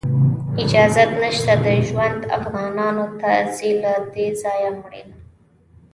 اجازت نشته د ژوند، افغانانو ته ځي له دې ځایه مړینه